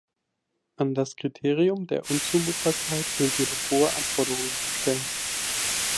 An das Kriterium der Unzumutbarkeit sind jedoch hohe Anforderungen zu stellen.